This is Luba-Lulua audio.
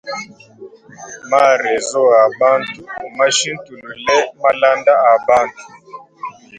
Ma rezo a bantu mmashintulule malanda a bantu.